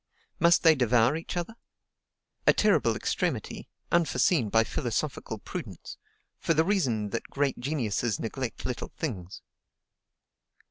Must they devour each other? A terrible extremity, unforeseen by philosophical prudence; for the reason that great geniuses neglect little things.